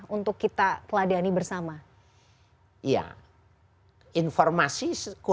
untuk kita teladani bahwa kita bisa mencintai allah ya